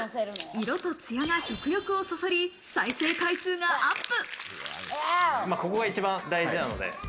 色と艶が食欲をそそり、再生回数がアップ。